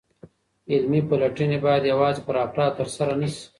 علمي پلټني باید یوازي پر افرادو ترسره نسي.